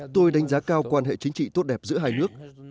tôi đánh giá cao quan hệ chính trị tốt đẹp giữa hai nước